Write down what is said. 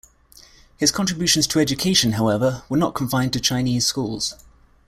His contributions to education, however, were not confined to Chinese schools.